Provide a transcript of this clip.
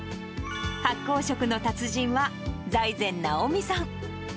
発酵食の達人は財前直見さん。